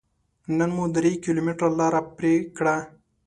نن مو درې کيلوميټره لاره پرې کړه.